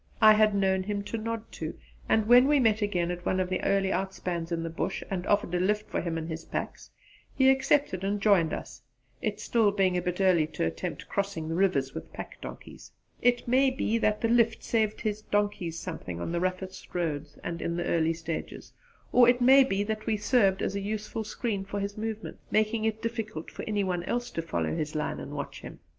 I had known him to nod to, and when we met again at one of the early outspans in the Bush and offered a lift for him and his packs he accepted and joined us, it being still a bit early to attempt crossing the rivers with pack donkeys. It may be that the 'lift' saved his donkeys something on the roughest roads and in the early stages; or it may be that we served as a useful screen for his movements, making it difficult for any one else to follow his line and watch him.